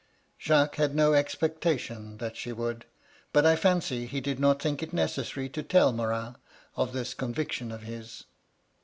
(Jacques had no expectation that she would ; but I &ncy he did not think it necessary to tell Morin of this conviction of his.)